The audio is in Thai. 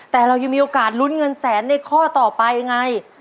แต่เรายังมีโอกาสลุ้นเงินแสนในข้อต่อไปไง